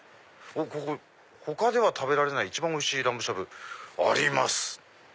ここ「他では食べられない一番おいしいラムしゃぶあります」。